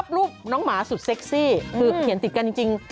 รูปน้องหมาสุดเซ็กซี่คือเขียนติดกันจริง